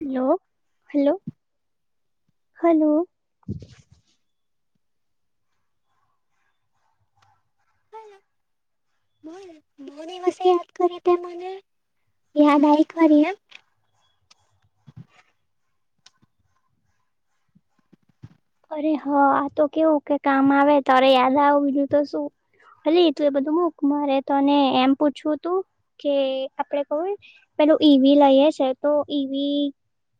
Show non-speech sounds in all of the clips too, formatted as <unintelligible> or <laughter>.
Hello hello hello. <inaudible> બ મોની વસે યાદ કરી ત મને. યાદ એક વાર એમ. <inaudible> અરે હા આ તો કેવું કે કામ આવે તરે યાદ આવું બીજું તો શું. ભલી તું એ બધું મૂક મારે તો અને એમ પૂછવું તું કે આપડે કવુંય. પેલું ઈવી લઈએ છે તો ઈવી.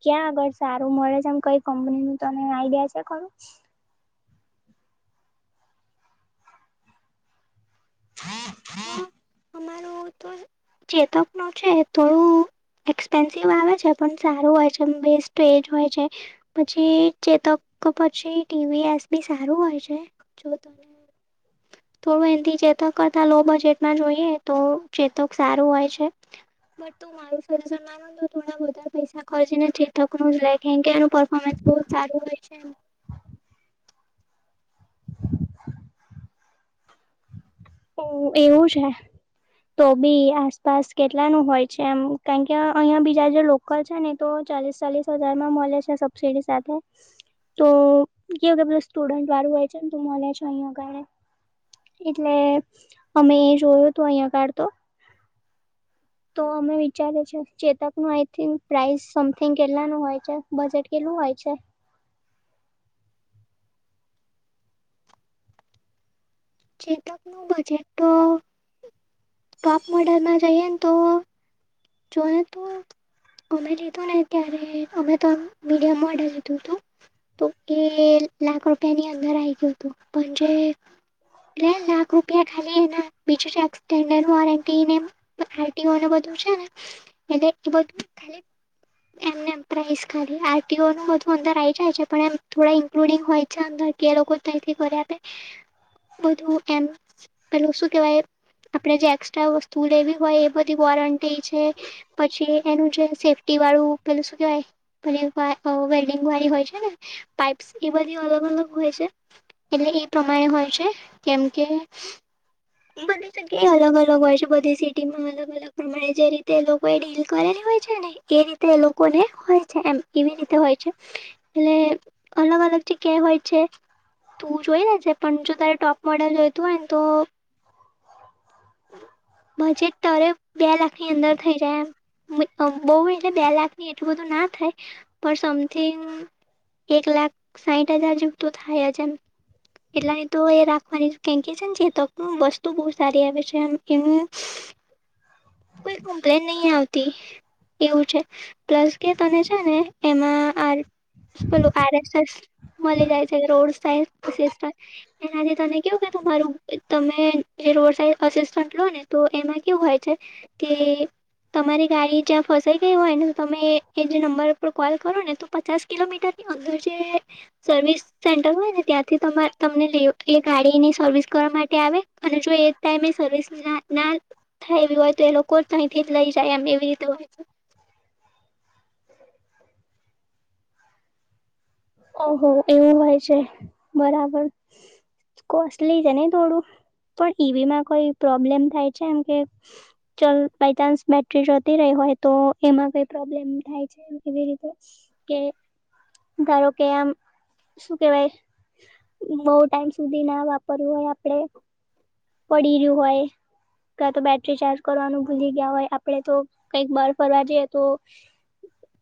ક્યાં આગળ સારું મળે છે આમ કઈ કંપની નું તને આઈડિયા છે ખરું. હા <unintelligible> અમારું તો ચેતક નું છે થોડું. એક્સપેન્સિવ આવે છે પણ સારું હોય છે વસ્ટ એજ હોય છે પછી ચતો.. તો પછી ટીવી એસબી સારું હોય છે જોતોને. <unintelligible> થોડો એથી જતા કર. લો બજેટમાં જોઈએ તો ચેતોક સારું હોય છે. બટ તું મારું સજેશન માનું તો થોડા વધારે પૈસા ખર્ચી ને ચેતકનું જ લ કે કે એનું પરર્ફોર્મન્સ. બહુ સારું હોય છે. <unintelligible> હ એવું છે હ. તો બી આસપાસ કેટલાનું હોય છે એમ કારણ કે અહિયાં બીજા જે લોકલ છે ને તો. ચાલીસ ચાલીસ હજારમાં મળે છે સબસીિડી સાથે. તો કેવ કેધું સ્ટુડન્ટ વાળું હોય છે ને તું મળને છ અહીંગ. એટલે અમે એ જોયું હતું અહિયાં કાર તો. તો અમે વિચારે છે ચેતક નું આઈ થિક પ્રાઇસ સમથિંગ કેટલા ન હોય છે બજેટ કેટલા. શું હોય છે. ચેતક નું બજેટ તો. ટોપ મોડલમાં જઈએ ને તો જો તોું. અમે જીતું ને ત્યારે અમે તો મીડયમ મોડલે લીધું તું તો એ. લખ રૂપિયાની અંદર આ હતું લખ રૂપિયા. ખાલી એ બીજું એક્ન્ડ વોરંટી ને આરટીઓને બધું છે ને. એ એ ત ખાલી. એમને પ્રાઈસ ખાલી આરટીઓ ન હોય તો અંદર આવી જાય છે પણ થોડા ઇન્કલુડિંગ હોય છે અર. એ લોકો તઈથી કરિ આપે બધું એમ પેલું શું કેવાય. આપડણે જે એક્સ્ટ્રા વસ્તુ લેવી હોય એ બધી વોરંટી. પછી એનું જે સેફી વાળું પેલું. વાય બ વેલ્ડિંગ વાળી હોય છે ને પાઈપ્સ એ બધી અલગ અલગ હોય છે. એટલે એ પ્રમાણે હોય છે કેમ કે. બધી જગ્યા એ અલગ અલગ હોય છે બધી સિટી માં અલગ અલગ પ્રમાણે જે રીતે એ લોકો એ ડીલ કરે ને. ને એ રીતે એ લોકોને હોય છે એ એવી રીતે હોય છે એટલે અલગ અલગ. અલગ જગ્યા હોય છે તું જોઈ લે છે પણ જો તારે ટોપ મોડલ જોઈતું હોય ને તો. બજેટ તારે બે લાખ ની અંદર થઇ જાય એમ. બહ એટલે બે લાખની એટલું બધું ના થાય પણ સમથિંગ એક લાખ સાહીઠ હજાર જેવ તોું થાય છે એટલાની તો એ રાખવાની કેંકી છે ને જે તો વસ્તુ બહુ સારી આવે છે એમ <unintelligible> કમપ્લેન નહી આવતી એવું છે પ્લસ કે તને છે ને એમાં આ તોું આરસ મલે જાય છે રોડાય એનાથી તને કેવું કે તમારું તમે જે રોડ સા છટલો ને તો એમાં કેવું હોય છે કે તમારી ગાડી જ્યાં ફસાઈ ગઈ હોય ને તમે એ જે નંબર પર કોલ કરો ને તો પચાસ કિલોમીટર અંદર જે સર્વિસ સેન્ટર હોય ને ત્યાંથી તમા તમને એ ગાડીની સર્વિસ માટે આવે અને જો એક ટાઈમ એ સર્વિસ ના ના થાય એવી હોય તો એ લોકો તહી થી જ લઈ જાય એમ એવી રીતે હોય <unintelligible> ઓહો એવું હોય છે. બરાબર. કોસલી છે નહી થોડું? પણ ઈવીમાં કોઈ પ્રોબ્લેમ થાય છે. એમ કે ચ બાય ચાન્સ બેટરી જોતી રહી હો. હોય તો એમાં કઈ પ્રોબ્લેમ થાય છે. એવી રીતે કે. ધારો કે આમ. શું કેવાય. બહુ ટાઈમ સુધી ના વાપરવું હોય આપડે. પડી રહ્યું હોય. ક્યા તો બેટરી ચાર્જ કરવાનું ભૂલી ગયા હોય. આપડે તો કંઈક બાર ફરવા જઈએ તો.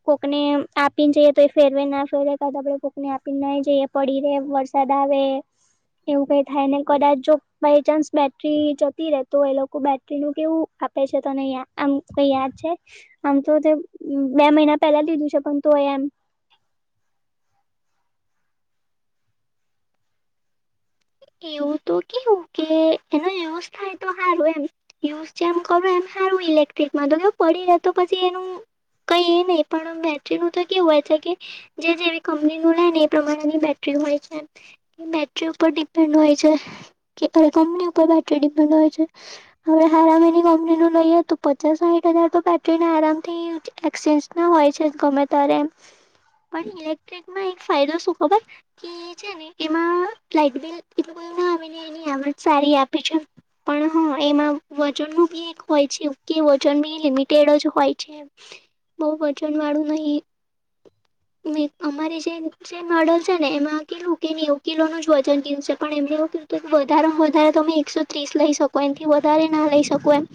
કોકને આપીને જઈએ તો એ ફેરવે ના. કા આપડે કોકને આપી નાહી જઈએ. પડી રે વરસાદ આવે. એવું કઈ થાય ને કદાચ જો બાયચાન્સ બેટરી જતી રે તો, એ લોકો બેટરીનુંું કેવું. આપે છે તોયા આમ કઈ યાદ છે? આમ તો તે બે મહિના પેલા લીધું છે પણ. બે મ <inaudible> એવું તો કેવું કે, એનો વ્યવસ્થાય તો સારું એમ. યુઝ જેમ કરો એમ સારું ઇલેક્ટ્રિકમાં તો કે પડી રહે તો પછી એનું. કઈ એ નહી, પણ બેટરીનુંું તો કેવું હોય છે કે જે જેવી કંપની નું લે ને એ પ્રમાણેની બેટરી. હોય છે. બેટરી ઉપર ડિપેન્ડ હોય છે. કે કંપની ઉપર બેટરી ડિપેન્ડ હોય છે. આપણે હાર મહિની કંપની નું લઈએ તો પચાસ. હજાર તો બેટરી આરામ થી એક્સચેન્જ ના હોય છે. ગમે ત્યારે એમ. પણ ઇલેક્ટ્રિકમાં એક ફાયદો શું ખબર? કે છે ને એમાં લાઈટ બિલ. એલું ક હને એની આવજ સારી આપી છે. પણ હ એમાં. વજનનુંું બી એક હોય છે. કે વજન બી લિમિટેડ જ હોય. બહ વજન વાળું નહી. અમારી જે નર્ડલ છે ને, એમાં કેટલું કે નેવું કિલોનુંું જ વજન કધું. પણ એમને એવું ક હતું કે વધારેમાં વધારે તમે એકસો ત્રીસ લઈ શકો એથી વધારે ના લઈ શકો એમ.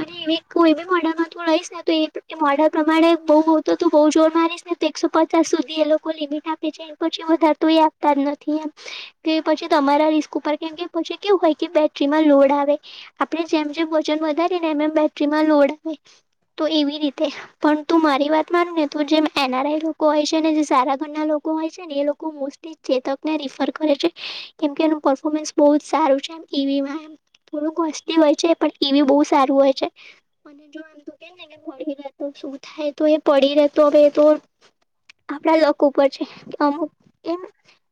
અને એવી કોઈ બી મોડલમાં તો લઈશ ને તો એ મોડલ પ્રમાણે બહ. તો બઉુ જોર મારીશ ને તો એકસો પચાસ સુધી એ લોકો લિમિટ આપે છે એ. પ વધારતુંય આપતા નથી એમ કે. પછી તમારા રિસ્ક ઉપર કેમ કે પછી કેવું હોય કે બેટરીમાં લોડ આવે. આપડે જેમ જેમ વજન વધારે. એમમ બેટરી માં લોડ આવે. તો એવી રીતે પણ તું મારી વાત માનું ને તું જેમ એનઆરઆઈ. લોકો હોય છે ને જે સારા ઘરના લોકો હોય છે ને, એ લોકો મોસ્ટલી ચેતકને રીફર કરે છે. કેમકે એનું પફોર્મન્સ બહુ જ સારું છે. એમ ટીવીમાં. થોડું કોસ્ટલી હોય છે. પણ ટીવી બ સારું હોય છે. જો આમ તો કે પીતો શું થાય તો એ પી રહેતો હવે તો. આપડા લક ઉપર છે. અમુક એમ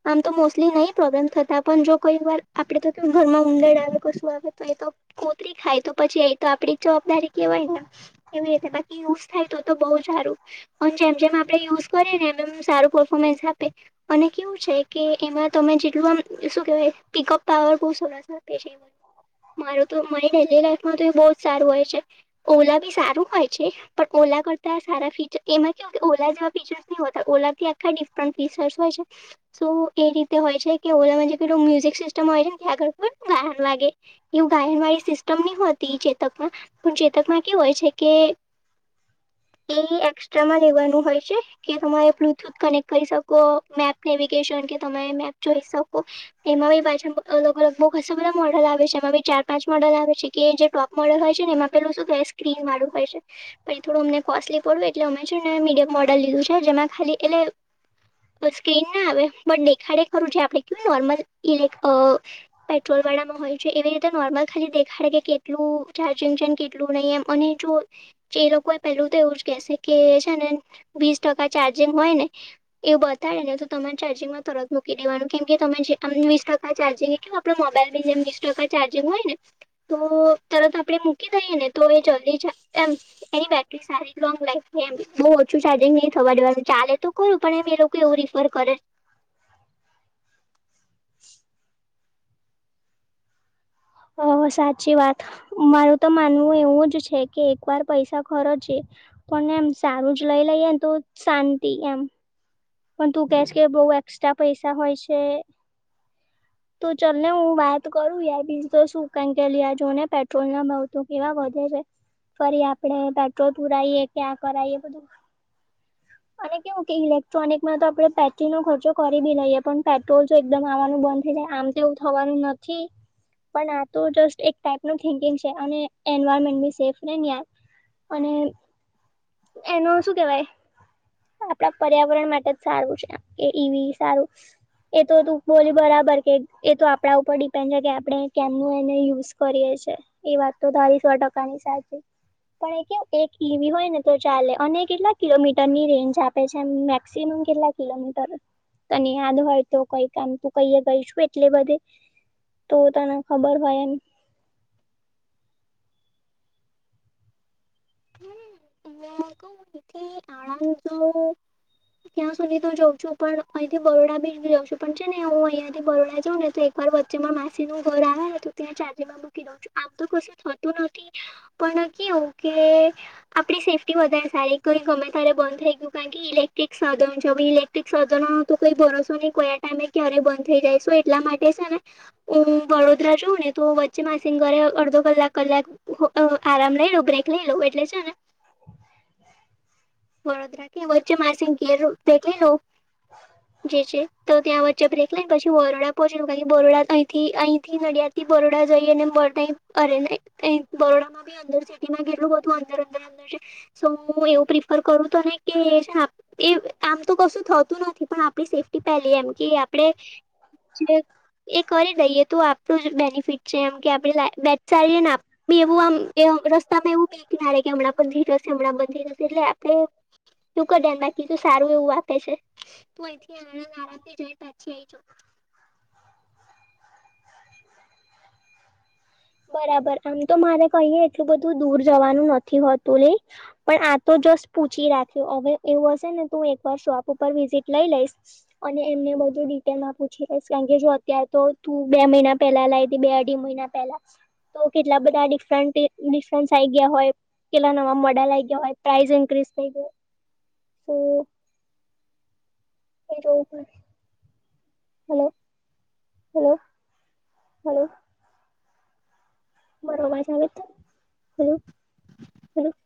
આમ તો મોસ્ટલી નહી. થતા પણ જો કઈ વાર, આપડે તો કે ઘરમાં ઉંદર આવે કશું આવે તો એ તો. કોતરી ખાય તો પછી અ તો આપડે જવાબદારી કેવાયને. કેવી રીતે બાકી યુઝ થાય તો તો બહ સારું. પણ જેમ જેમ આપડે યુ ઝ કરે ને એમ એમ સારું પફોર્મન્સ આપે. અને કેવું છે કે, એમાં તમે જેટલું આમ શું કહેવાય પિકઅપ પાવર બહુ સરસ આપે છે મારું તો મારી ડેલી લાઈફમાં તો એ બહુ જ સારું હોય છે. ઓલા બી સારું હોય છે પણ ઓલા કરતા સારા ફીચર એમાં કે ઓલા જેવા ફીચરસ નહતા. ઓલાથી આખા ડિફરેંટ ફી ર્ચ હોય છે. શું એ રીતે હોય છે કે ઓલા ના જે પહેલું મ્યુઝિક સિસ્ટમ હોય છે ને <unintelligible> આહર લાગે. એવું ગાય વાયી સિસ્ટમ ની હોત ટી ચેતકમાં પણ ચેતકમાં કેવું હોય છે કે <inaudible> તે એક્સ્ટ્રામાં લેવાનું હોય છે કે તમારે બ્લુટુથ કનેક્ટ કરી શકો. મેપ નેવિગેશન કે તમ જોઈ શકો. એમાં બી પાછા અલગ અલગ બહુ ખાસ્સા બધા મોડલ આવે છે. એમાં બી ચાર પાંચ મોડલ આવે છે કે કે જે ટોપ મોડલ હોય એમાં પેલું શું કે સ્ક્રીન વાળું હોય છે. પર એ થોડું અમને કોસ્ટલી પડ્યું એટલે અમે છે એ મીડિયમ મોડલ લીધું છે. જેમાં ખાલી એટલે અહ સ્ક્રીન ના આવે પણ નહી ખાડે ખરું છે આપડી કેુંય નોર્મલ ઇલેક્ અહ પેટ્રોલ વાળામાં હોય છે. એવી રીતે નોર્મલ ખાલી દે હારે કે કેટલું ચાર્જિંગ છેને, કેટલું નહીં, એમ અને જો જે લોકો એ પેલું તેવું કેસે કે છે ને વીસ ટકા ચાર્જિંગ હોય ને એવું બતાવે ને તો તમારા ચાર્જિંગમાં તરત મૂકી દેવાનું. કેમ કે તમે જે અનવિષ ટકા ચાર્જિંગ એ કેવું આપડે મોબાઈલ બી જેમ વીસ ટકા ચાર્જિંગ હોય ને તો તરત આપડે મૂકી દઈએ ને તો એ જલ્દી જ એમ એની બેટરી સારી લોંગ લાઈફ છે એમ બહુ ઓછું ચાર્જિંગ નહી થવા દેવાનું ચાલે તો કરું પણ એમ એ લોકો એવું રીફર કરે અહ સાચી વાત. મારું તો માનવું એવું જ છે કે એક વાર પૈસા ખરચ્યે પણ એમ સારું જ લઈ લઈએ તો શાંતિ એમ. પણ તું કેસ કે બહુ એસ્ટ્રા પૈસા હોય છે તો ચાલ ને હું વાત કરું યાર બીજું તો શું કારણ કે લ્યાં જોને પેટ્રોલ ના ભાવ તો કેવા વધે છે. ફરી આપડે પેટ્રોલ પુરાઈએ ક્યાં કરાઈએ બધું અને કેવું કે ઇલેક ટ્રોનિકમાં તો આપણે પેટ્રોલનો ખર્ચો કરી બી લઈએ પણ પેટ્રોલ જો એકદમ આવવાનું બંધ થઈ જાય આમ તો એવું થવા નું નથી પણ આ તો જસ્ટ એક ટાઈપનું થિકિંગ છે અને એન્વાયરમેન્ટની સેફ રેય ને યાર અને એનું શું કેવાય આપડા પ ર્યાવરણ માટે જ સારું છે. એ ઈવી સારું એ તો તું બોલી બરાબર કે એ તો આપડા ઉપર ડિપેન્ડેડ રેઇ આપણેે કેમનું એને યુઝ કરીએ છે. એ વાત તો તારી સો ટકાની સાચી. પણ એ કેમ એક ઈવી હોય ને તો ચાલે અને કેટલા કિલોમીટર ની રેન્જ આપે છે, મેક્સિમમ કેટલા કિલોમીટર? તને યાદ હોય તો કઈ કામ તું કહીય ગઈશું એટલે બધે? તો તને ખબર હોય એમ. હું આ કહું તેથી આડાન તો ત્યાં સુધી તો જાઉં છું પણ અહીંથી બરોડા બીચ જાઉ છું પણ છે ને હું અહિયાં થી બરોડા જઉં ને તો એક વા વ વચ્ચે માં માસીનું ઘર આવે તો ત્યાં ચાર્જિંગમાં મૂકી દઉં છું આમ તો કશું થતું નથી પણ કેયુ કે આપણી સેફ્ટી વધારે સારી કોઈ ગમે પેહેલે બંધ થઈ ગયું કારણ કે ઇલેક્ટ્રિક સાધનો છે. હવે ઇલેક્ટ્રિક સાધનો તો કોઈ ભરોસો નહીં કોઈ આ ટાઈમે ક્યા રે બંધ થઈ જાય એટલા માટે છેને હું વડોદરા જોઉ ને તો વચ્ચે માસીને ઘરે અડધો ક કલાક કલાક અહ આરામ લઈ લઉ બ્રેક લઈ લઉં એટલે છે ને ત્યાં વચ્ચે માસીનું ઘેર તે થઈ લૂ જે છે તો ત્યાં ચ્ચે બ્રેક લઈને પછી બરોડા પહોંચુ કારણ બરોડા અહીંથી અહીંથી નડિયાદથી બરોડા જઈએને બરટાઈમ અરે ને તે બરોડામાં બી અંદર થી દિન માં કેટલું બધું અંદર અંદર અંદર છે તો હું એવું પ્રિફર કરું તો કે છેને આ એ આમ તો કશું થતું નથી પણ આપણી સેફ્ટી પહેલી એમ. કે આપડે એ કરી દઈએ તો આપણું જ બેનીફિટ છે એમ કે આપે <unintelligible> એવું આમ તમે એવું કેકે કે હમણાં પણ ધીર છે હમણાં પણ ધીરશે એટલે આપડે <unintelligible> તો સારું એવું આપે છે તું અહીથી જઈ પછી આઈ જવું. <inaudible> બરાબર આમ તો મારે કહીએે એટલું બધું દૂર જવાનું નથી હોતું લે પણ આ તો જો બસ પૂછી રાખ્યું હવે એવું હશે ને તું એકવાર શોપ ઉપર વિઝિટ લઈ લઈશ અને એમને બ ધુ ડિટેલમાં પૂછી લઈશ કારણ કે જો અત્યારે તો તું બે મહિના પહેલા લઈ હતી બે અઢી મહિના પહેલા. તો કેટલા બધા ડિફરન્ટ ડિફરન્સ આ ગયા હોય કેટલા નવા મોડલ આ આવી ગયા હોય પ્રાઇઝ ઇન્ક્રીઝ થઈ ગઈ તો <inaudible> હલો હલો હલો. બરોબર છે અવાજ તો હલો હલો. <inaudible>